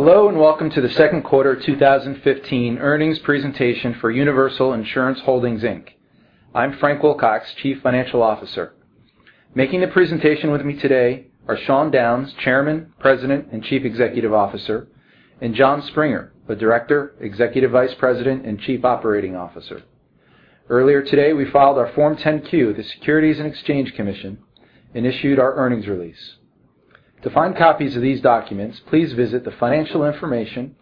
Hello, and welcome to the second quarter 2015 earnings presentation for Universal Insurance Holdings, Inc. I'm Frank Wilcox, Chief Financial Officer. Making the presentation with me today are Sean Downes, Chairman, President, and Chief Executive Officer, and Jon Springer, a Director, Executive Vice President, and Chief Operating Officer. Earlier today, we filed our Form 10-Q with the Securities and Exchange Commission and issued our earnings release. To find copies of these documents, please visit the financial information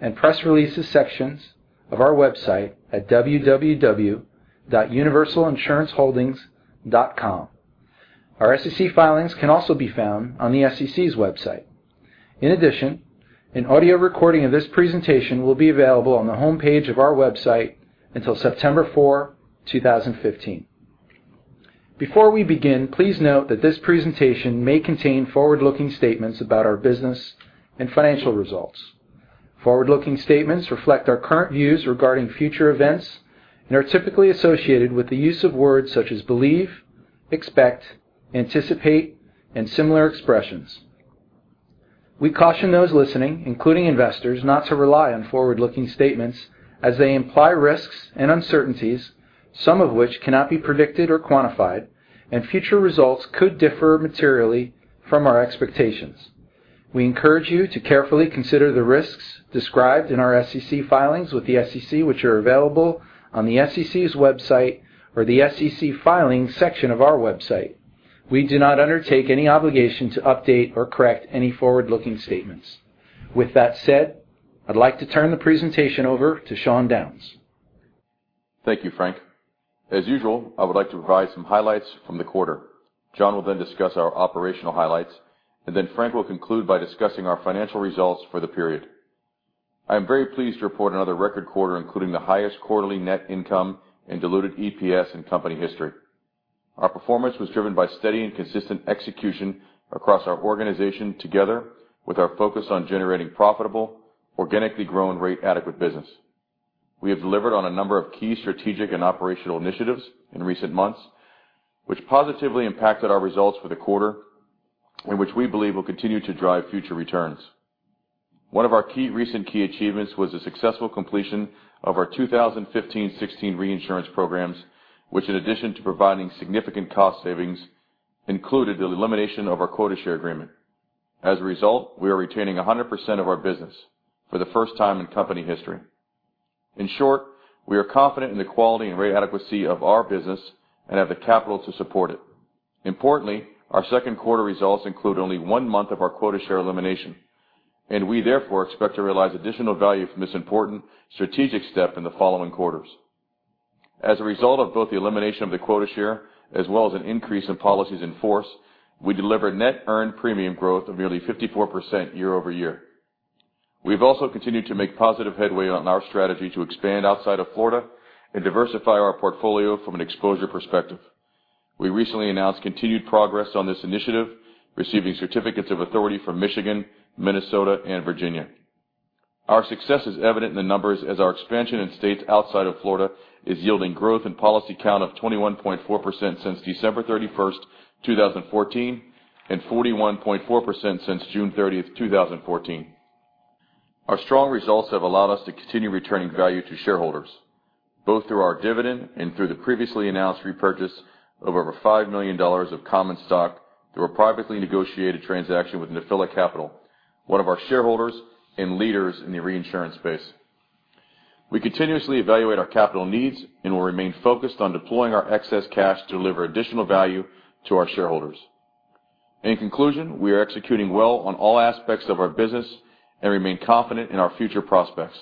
and press releases sections of our website at www.universalinsuranceholdings.com. Our SEC filings can also be found on the SEC's website. In addition, an audio recording of this presentation will be available on the homepage of our website until September 4, 2015. Before we begin, please note that this presentation may contain forward-looking statements about our business and financial results. Forward-looking statements reflect our current views regarding future events and are typically associated with the use of words such as believe, expect, anticipate, and similar expressions. We caution those listening, including investors, not to rely on forward-looking statements as they imply risks and uncertainties, some of which cannot be predicted or quantified, and future results could differ materially from our expectations. We encourage you to carefully consider the risks described in our SEC filings with the SEC, which are available on the SEC's website or the SEC filings section of our website. We do not undertake any obligation to update or correct any forward-looking statements. With that said, I'd like to turn the presentation over to Sean Downes. Thank you, Frank. As usual, I would like to provide some highlights from the quarter. Jon will then discuss our operational highlights, and then Frank will conclude by discussing our financial results for the period. I am very pleased to report another record quarter, including the highest quarterly net income and diluted EPS in company history. Our performance was driven by steady and consistent execution across our organization, together with our focus on generating profitable, organically grown, rate-adequate business. We have delivered on a number of key strategic and operational initiatives in recent months, which positively impacted our results for the quarter and which we believe will continue to drive future returns. One of our recent key achievements was the successful completion of our 2015-'16 reinsurance programs, which, in addition to providing significant cost savings, included the elimination of our quota share agreement. As a result, we are retaining 100% of our business for the first time in company history. In short, we are confident in the quality and rate adequacy of our business and have the capital to support it. Importantly, our second quarter results include only one month of our quota share elimination, and we therefore expect to realize additional value from this important strategic step in the following quarters. As a result of both the elimination of the quota share as well as an increase in policies in force, we delivered net earned premium growth of nearly 54% year-over-year. We've also continued to make positive headway on our strategy to expand outside of Florida and diversify our portfolio from an exposure perspective. We recently announced continued progress on this initiative, receiving certificates of authority from Michigan, Minnesota, and Virginia. Our success is evident in the numbers as our expansion in states outside of Florida is yielding growth in policy count of 21.4% since December 31st, 2014, and 41.4% since June 30th, 2014. Our strong results have allowed us to continue returning value to shareholders, both through our dividend and through the previously announced repurchase of over $5 million of common stock through a privately negotiated transaction with Nephila Capital, one of our shareholders and leaders in the reinsurance space. We continuously evaluate our capital needs and will remain focused on deploying our excess cash to deliver additional value to our shareholders. In conclusion, we are executing well on all aspects of our business and remain confident in our future prospects.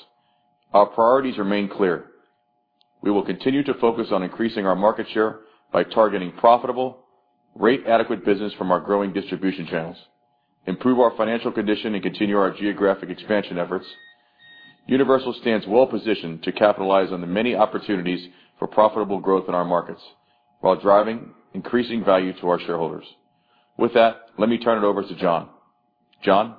Our priorities remain clear. We will continue to focus on increasing our market share by targeting profitable, rate-adequate business from our growing distribution channels, improve our financial condition, and continue our geographic expansion efforts. Universal stands well-positioned to capitalize on the many opportunities for profitable growth in our markets while driving increasing value to our shareholders. With that, let me turn it over to Jon. Jon?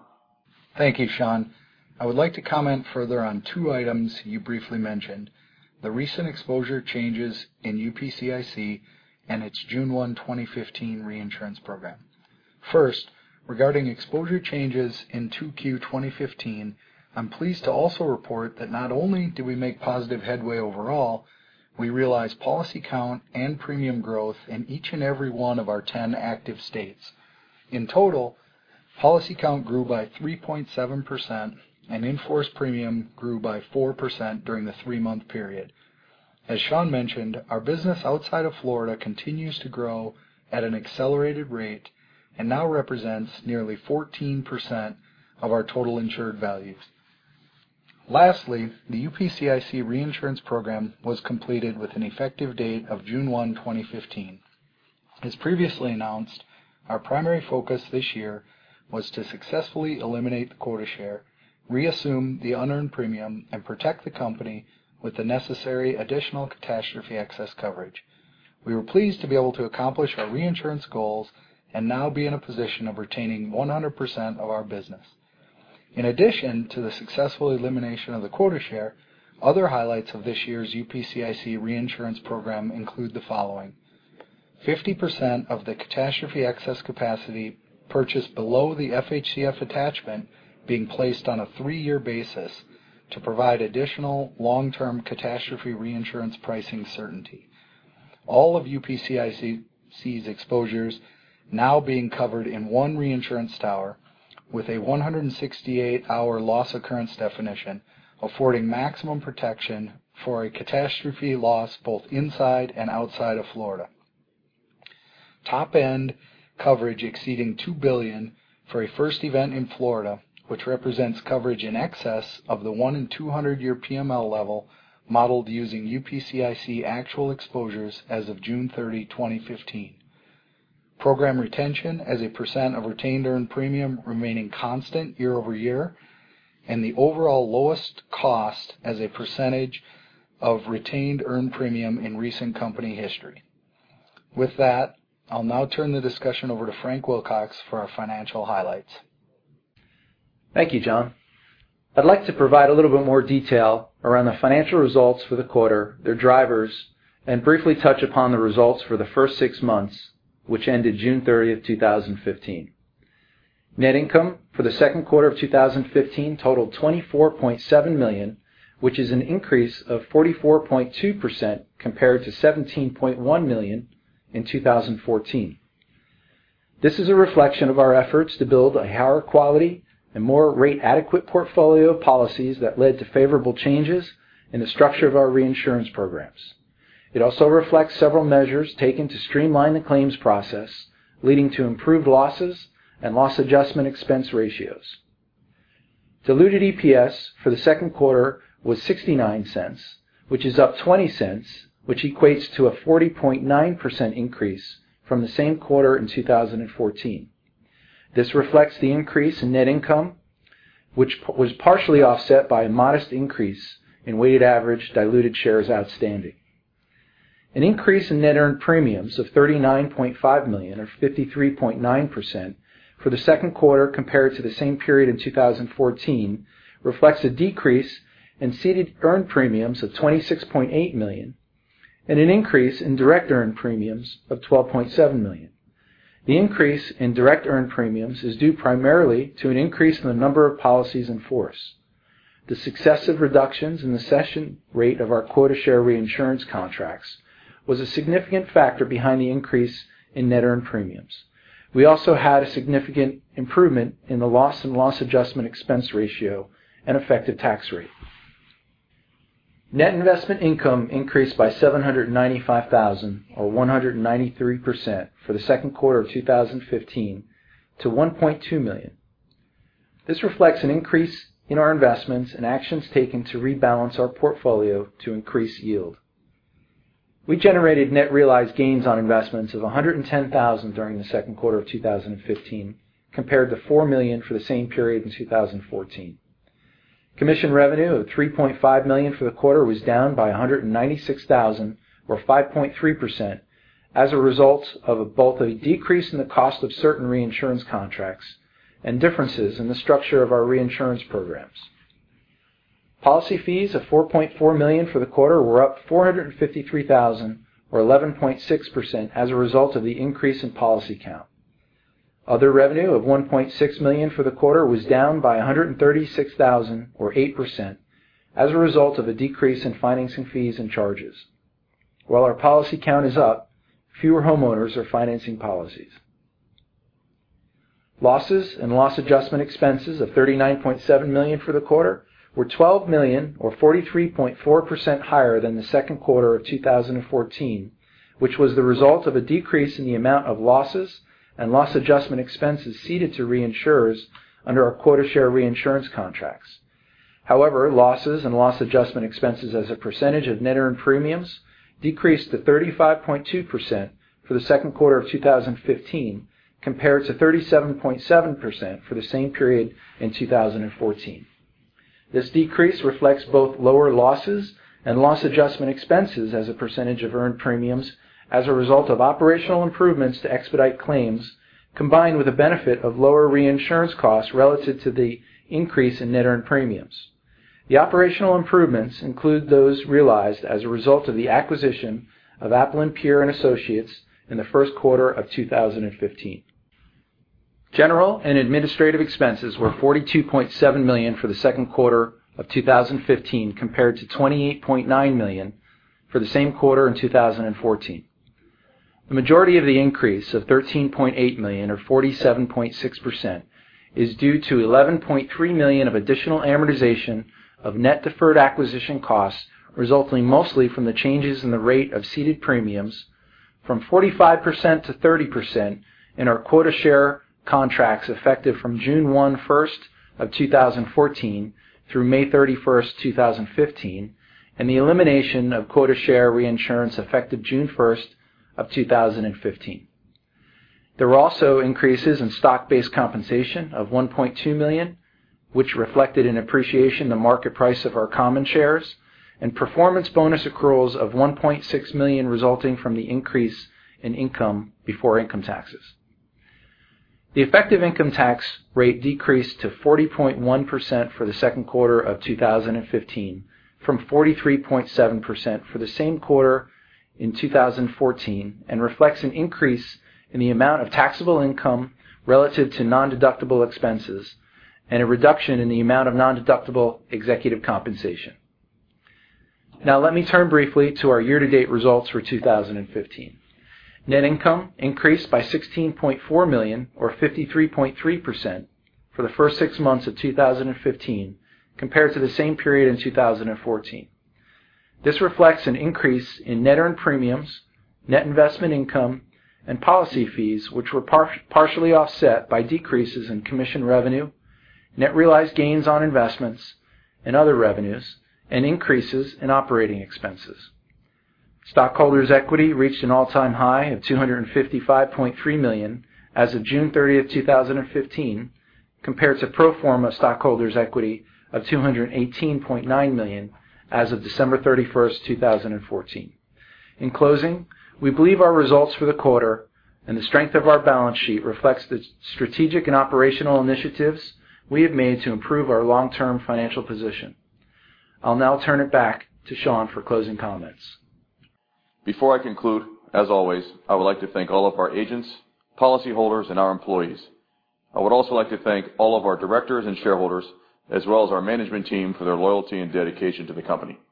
Thank you, Sean. I would like to comment further on two items you briefly mentioned, the recent exposure changes in UPCIC and its June 1, 2015, reinsurance program. First, regarding exposure changes in Q2 2015, I am pleased to also report that not only did we make positive headway overall, we realized policy count and premium growth in each and every one of our 10 active states. In total, policy count grew by 3.7% and enforced premium grew by 4% during the three-month period. As Sean mentioned, our business outside of Florida continues to grow at an accelerated rate and now represents nearly 14% of our total insured values. Lastly, the UPCIC reinsurance program was completed with an effective date of June 1, 2015. As previously announced, our primary focus this year was to successfully eliminate the quota share, reassume the unearned premium, and protect the company with the necessary additional catastrophe excess coverage. We were pleased to be able to accomplish our reinsurance goals and now be in a position of retaining 100% of our business. In addition to the successful elimination of the quota share, other highlights of this year's UPCIC reinsurance program include the following. 50% of the catastrophe excess capacity purchased below the FHCF attachment being placed on a three-year basis to provide additional long-term catastrophe reinsurance pricing certainty. All of UPCIC's exposures now being covered in one reinsurance tower with a 168-hour loss occurrence definition, affording maximum protection for a catastrophe loss both inside and outside of Florida. Top-end coverage exceeding $2 billion for a first event in Florida, which represents coverage in excess of the one in 200-year PML level, modeled using UPCIC actual exposures as of June 30, 2015. Program retention as a % of retained earned premium remaining constant year-over-year, and the overall lowest cost as a % of retained earned premium in recent company history. With that, I will now turn the discussion over to Frank Wilcox for our financial highlights. Thank you, Jon. I would like to provide a little bit more detail around the financial results for the quarter, their drivers, and briefly touch upon the results for the first six months, which ended June 30, 2015. Net income for the second quarter of 2015 totaled $24.7 million, which is an increase of 44.2% compared to $17.1 million in 2014. This is a reflection of our efforts to build a higher quality and more rate-adequate portfolio of policies that led to favorable changes in the structure of our reinsurance programs. It also reflects several measures taken to streamline the claims process, leading to improved losses and loss adjustment expense ratios. Diluted EPS for the second quarter was $0.69, which is up $0.20, which equates to a 40.9% increase from the same quarter in 2014. This reflects the increase in net income, which was partially offset by a modest increase in weighted average diluted shares outstanding. An increase in net earned premiums of $39.5 million or 53.9% for the second quarter compared to the same period in 2014 reflects a decrease in ceded earned premiums of $26.8 million and an increase in direct earned premiums of $12.7 million. The increase in direct earned premiums is due primarily to an increase in the number of policies in force. The successive reductions in the cession rate of our quota share reinsurance contracts was a significant factor behind the increase in net earned premiums. We also had a significant improvement in the loss and loss adjustment expense ratio and effective tax rate. Net investment income increased by $795,000, or 193%, for the second quarter of 2015 to $1.2 million. This reflects an increase in our investments and actions taken to rebalance our portfolio to increase yield. We generated net realized gains on investments of $110,000 during the second quarter of 2015 compared to $4 million for the same period in 2014. Commission revenue of $3.5 million for the quarter was down by $196,000 or 5.3% as a result of both a decrease in the cost of certain reinsurance contracts and differences in the structure of our reinsurance programs. Policy fees of $4.4 million for the quarter were up $453,000 or 11.6% as a result of the increase in policy count. Other revenue of $1.6 million for the quarter was down by $136,000 or 8% as a result of a decrease in financing fees and charges. While our policy count is up, fewer homeowners are financing policies. Losses and loss adjustment expenses of $39.7 million for the quarter were $12 million or 43.4% higher than the second quarter of 2014, which was the result of a decrease in the amount of losses and loss adjustment expenses ceded to reinsurers under our quota share reinsurance contracts. However, losses and loss adjustment expenses as a percentage of net earned premiums decreased to 35.2% for the second quarter of 2015, compared to 37.7% for the same period in 2014. This decrease reflects both lower losses and loss adjustment expenses as a percentage of earned premiums, as a result of operational improvements to expedite claims, combined with the benefit of lower reinsurance costs relative to the increase in net earned premiums. The operational improvements include those realized as a result of the acquisition of Aplin Peer & Associates in the first quarter of 2015. General and administrative expenses were $42.7 million for the second quarter of 2015, compared to $28.9 million for the same quarter in 2014. The majority of the increase of $13.8 million or 47.6% is due to $11.3 million of additional amortization of net deferred acquisition costs, resulting mostly from the changes in the rate of ceded premiums from 45% to 30% in our quota share contracts effective from June 1st, 2014 through May 31st, 2015, and the elimination of quota share reinsurance effective June 1st, 2015. There were also increases in stock-based compensation of $1.2 million, which reflected an appreciation in the market price of our common shares, and performance bonus accruals of $1.6 million resulting from the increase in income before income taxes. The effective income tax rate decreased to 40.1% for the second quarter of 2015 from 43.7% for the same quarter in 2014, and reflects an increase in the amount of taxable income relative to nondeductible expenses and a reduction in the amount of nondeductible executive compensation. Let me turn briefly to our year-to-date results for 2015. Net income increased by $16.4 million or 53.3% for the first six months of 2015 compared to the same period in 2014. This reflects an increase in net earned premiums, net investment income, and policy fees, which were partially offset by decreases in commission revenue, net realized gains on investments and other revenues, and increases in operating expenses. Stockholders' equity reached an all-time high of $255.3 million as of June 30th, 2015, compared to pro forma stockholders' equity of $218.9 million as of December 31st, 2014. In closing, we believe our results for the quarter and the strength of our balance sheet reflects the strategic and operational initiatives we have made to improve our long-term financial position. I'll now turn it back to Sean for closing comments. Before I conclude, as always, I would like to thank all of our agents, policyholders, and our employees. I would also like to thank all of our directors and shareholders, as well as our management team for their loyalty and dedication to the company. Thank you.